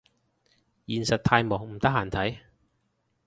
現實太忙唔得閒睇